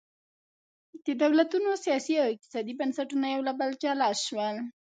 د دولتونو سیاسي او اقتصادي بنسټونه له یو بل جلا شول.